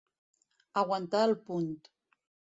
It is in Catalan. Aguantar el punt.